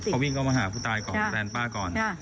เขาวิ่งเข้ามาหาผู้ตายของแฟนป้าก่อน